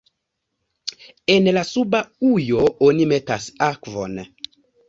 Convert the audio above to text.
En la suba ujo oni metas akvon.